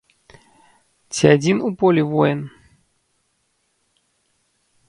Ці адзін у полі воін?